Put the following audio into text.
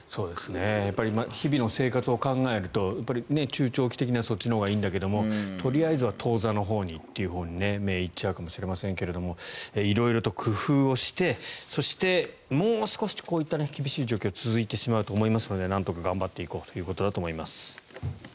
日々の生活を考えると中長期的にはそっちのほうがいいんだけどもとりあえずは当座のほうに目が行っちゃうかもしれませんが色々と工夫をしてそして、もう少しこういった厳しい状況が続いてしまうと思いますのでなんとか頑張っていこうということだと思います。